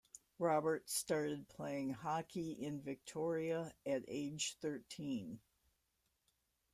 Roberts started playing hockey in Victoria at age thirteen.